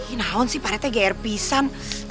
ini ga ada sih pak rete gaya rupihan